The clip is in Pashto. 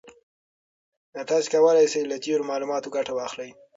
تاسي کولای شئ له تېرو معلوماتو ګټه واخلئ.